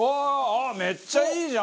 あっめっちゃいいじゃん！